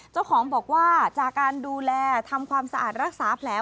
เจ้าของบอกว่าจากการดูแลทำความสะอาดรักษาแผล